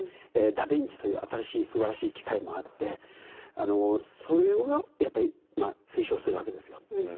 ダビンチという新しいすばらしい機械もあってそれをやっぱ推奨するわけですよ。